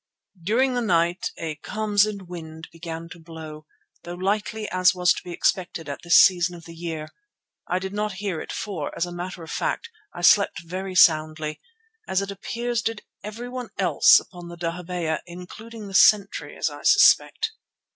During the night a Khamsin wind began to blow, though lightly as was to be expected at this season of the year. I did not hear it for, as a matter of fact, I slept very soundly, as it appears did everyone else upon the dahabeeyah, including the sentry as I suspect.